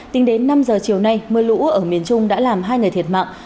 tính đến năm giờ chiều nay mưa lũ ở miền trung đã làm hai người thiệt mạng